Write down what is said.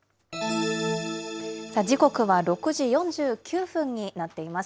時刻は６時４９分になっています。